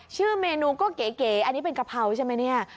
ชื่อเมนูก็เก๋อันนี้เป็นกะเพราใช่ไหมเนี่ย